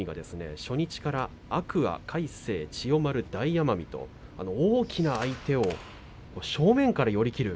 初日から、天空海、魁聖、千代丸大奄美と大きな相手を正面から寄り切る